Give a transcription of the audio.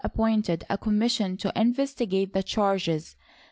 appointed a commission to investigate the charges.